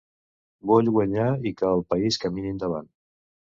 Vull guanyar i que el país camini endavant.